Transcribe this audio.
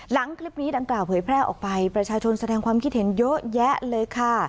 หลังคลิปนี้ดังกล่าวเผยแพร่ออกไปประชาชนแสดงความคิดเห็นเยอะแยะเลยค่ะ